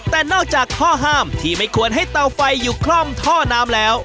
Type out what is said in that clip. แต่นอกจากข้อห้ามที่ไม่ควรให้เตาไฟอยู่คล่อมท่อน้ำแล้ว